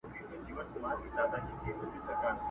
چي پنیر یې وو له خولې څخه وتلی!.